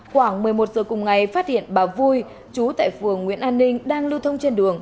khoảng một mươi một giờ cùng ngày phát hiện bà vui chú tại phường nguyễn an ninh đang lưu thông trên đường